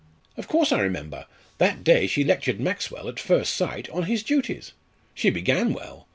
"Of course I remember! That day she lectured Maxwell, at first sight, on his duties. She began well.